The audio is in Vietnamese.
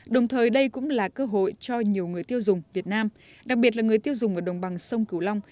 đồng thời đây cũng là cơ hội cho nhiều người tiêu dùng việt nam đặc biệt là người tiêu dùng ở đồng bằng sông cửu long